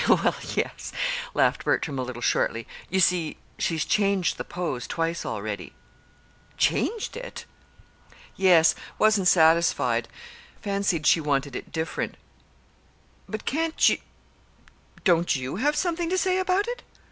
"Well, yes," laughed Bertram, a little shortly. "You see, she's changed the pose twice already." "Changed it!" "Yes. Wasn't satisfied. Fancied she wanted it different." "But can't you don't you have something to say about it?"